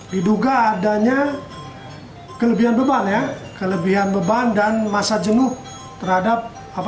diduga adanya kelebihan beban dan masa jenuh terhadap